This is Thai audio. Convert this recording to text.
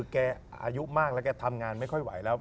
อายุมากแล้วแกทำงานไม่ค่อยไหวแล้ว